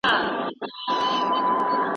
شاګرد ته د نظر څرګندولو وخت ورکړئ.